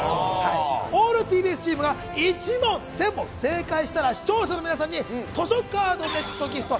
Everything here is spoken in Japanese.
オールＴＢＳチームが１問でも正解したら視聴者の皆さんに図書カードセットギフト